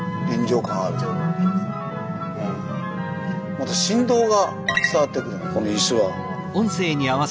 また振動が伝わってくるのこのイスが。